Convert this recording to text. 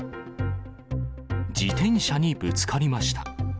自転車にぶつかりました。